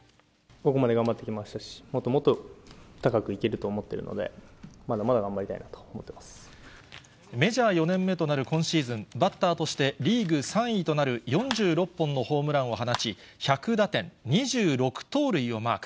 ここまで頑張ってきましたし、もっともっと高くいけると思っているので、まだまだ頑張りたいなメジャー４年目となる今シーズン、バッターとしてリーグ３位となる４６本のホームランを放ち、１００打点、２６盗塁をマーク。